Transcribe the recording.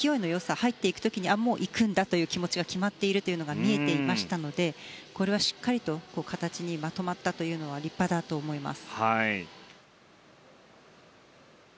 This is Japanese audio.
入っていく時にもういくんだという気持ちが決まっているのが見えていましたのでこれはしっかりと形にまとまったというのは立派だと思います。